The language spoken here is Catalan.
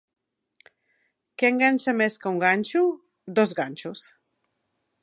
Què enganxa més que un ganxo? —Dos ganxos.